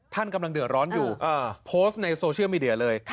ท่านกำลังเดือดร้อนอยู่โพสต์ในโซเชียลมีเดียเลย